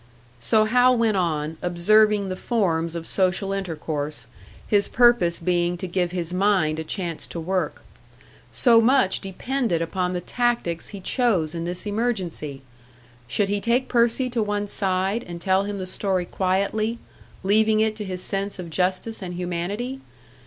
So Hal went on, observing the forms of social intercourse, his purpose being to give his mind a chance to work. So much depended upon the tactics he chose in this emergency! Should he take Percy to one side and tell him the story quietly, leaving it to his sense of justice and humanity?